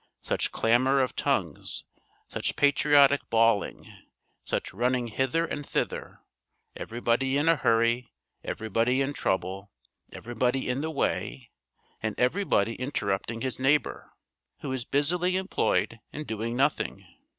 Such clamor of tongues such patriotic bawling such running hither and thither everybody in a hurry everybody in trouble everybody in the way, and everybody interrupting his neighbor who is busily employed in doing nothing!